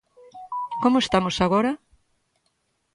¿Como estamos agora?